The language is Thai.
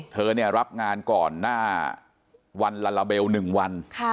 เธอเนี่ยรับงานก่อนหน้าวันลาลาเบล๑วัน